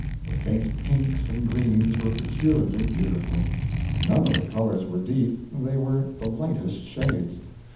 The faint pinks and greens were peculiarly beautiful; none of the colors were deep, they were the lightest shades.